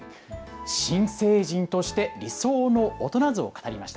新成人として理想の大人像を語りました。